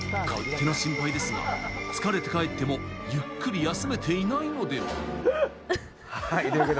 勝手な心配ですが、疲れて帰ってもゆっくり休めていないのでは？